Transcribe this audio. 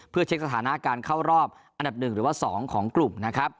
เพื่อเช็คสถานะการเข้ารอบ๑๒ของกลุ่ม